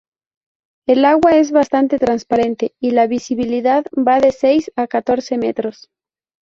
El agua es bastante transparente y la visibilidad va de seis a catorce metros.